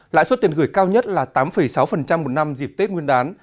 lãi suất tiền gửi cao nhất là tám sáu một năm dịp tết nguyên đán